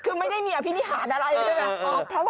คือไม่ได้มีอภินิหารอะไรใช่ไหม